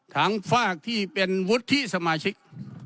ฝากที่เป็นวุฒิสมาชิก